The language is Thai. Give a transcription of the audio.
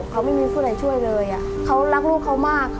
เขาไม่มีผู้ใดช่วยเลยเขารักลูกเขามาก